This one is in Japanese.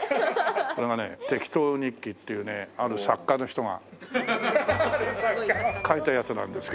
これがね『適当日記』っていうねある作家の人が書いたやつなんですけどね。